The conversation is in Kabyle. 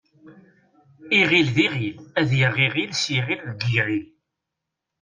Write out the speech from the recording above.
Iɣil d iɣil ad yaɣ iɣil s yiɣil deg yiɣil.